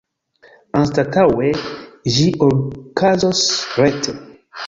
Anstataŭe ĝi okazos rete.